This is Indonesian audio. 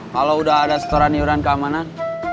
kalau udah ada setoran inuran keamanan